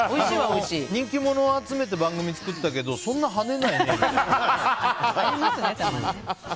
人気者を集めて番組作ったけどそんなはねないねみたいな。